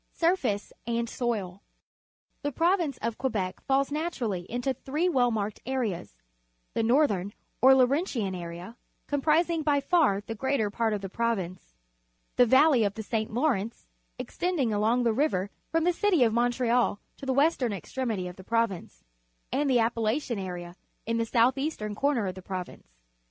Surface and Soil. — The Pro^ ince of Quebec falls naturally into three well marked areas: the Northern or Lauretjtian area, comprising "by Far the greater part of the province, the Valley of the St. Lawrence, extending along the river from the citj^ of ^Montreal to the Market Day, Quebec City western extremitj' of the pro^^nce, and the Appalachian area in the south eastern corner of the province.